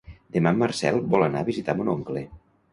Demà en Marcel vol anar a visitar mon oncle.